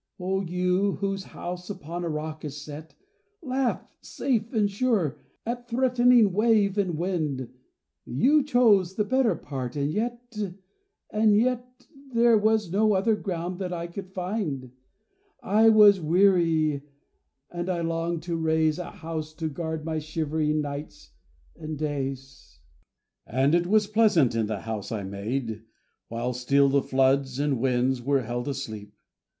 O you, whose house upon a rock is set, Laugh, safe and sure, at threatening wave and wind. You chose the better part and yet and yet, There was no other ground that I could find, And I was weary and I longed to raise A house to guard my shivering nights and days. And it was pleasant in the house I made, While still the floods and winds were held asleep.